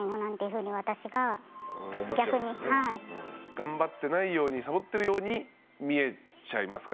頑張ってないようにサボってるように見えちゃいますか？